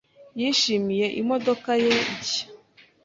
yishimiye imodoka ye nshya.